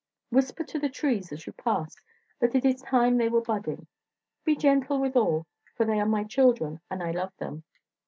Whisper to the trees as you pass that it is time they were budding, Be gentle with all, for they are my children, and I love them.